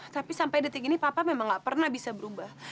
tapi sampai detik ini papa memang gak pernah bisa berubah